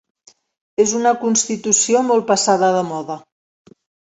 És una constitució molt passada de moda.